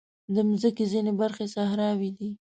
د مځکې ځینې برخې صحراوې دي.